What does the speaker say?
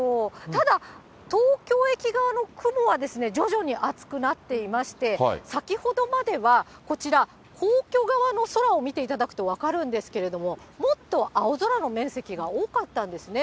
ただ、東京駅側の雲は徐々に厚くなっていまして、先ほどまではこちら、皇居側の空を見ていただくと分かるんですけれども、もっと青空の面積が多かったんですね。